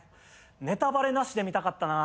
ネタバレなしで見たかったな。